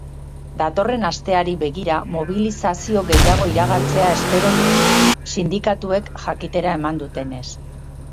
Datorren asteari begira mobilizazio gehiago iragartzea espero dute, sindikatuek jakitera eman dutenez.